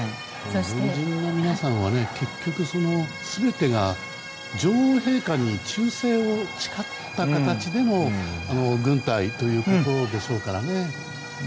軍人の皆さんは結局全てが女王陛下に忠誠を誓った形での軍隊というところでしょうからね。